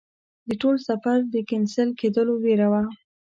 د ټول سفر د کېنسل کېدلو ویره وه.